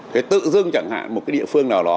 thế tự dưng chẳng hạn một cái địa phương nào đó